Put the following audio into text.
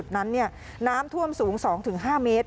นั้นน้ำท่วมสูง๒๕เมตร